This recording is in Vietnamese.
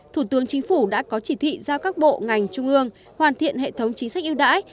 thủ tướng chính phủ đã có chỉ thị giao các bộ ngành trung ương hoàn thiện hệ thống chính sách yêu đãi